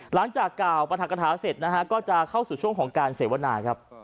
หลังจากก่าวปฐกฐาเสร็จก็จะเข้าสู่ช่วงของการเสวนา